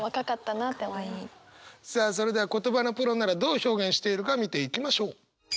さあそれでは言葉のプロならどう表現しているか見ていきましょう。